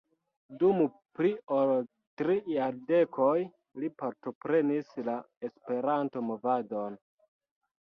Dum pli ol tri jardekoj li partoprenis la Esperanto-movadon.